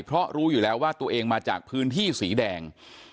เพราะรู้อยู่แล้วว่าตัวเองมาจากพื้นที่สีแดง